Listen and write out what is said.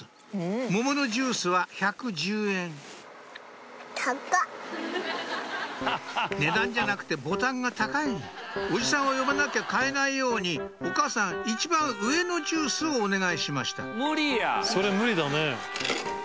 桃のジュースは１１０円値段じゃなくてボタンが高いおじさんを呼ばなきゃ買えないようにお母さん一番上のジュースをお願いしました無理や！